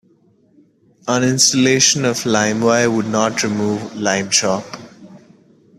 Uninstallation of LimeWire would not remove LimeShop.